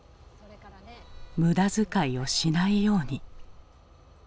「無駄遣いをしないように」。